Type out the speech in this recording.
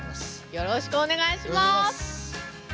よろしくお願いします！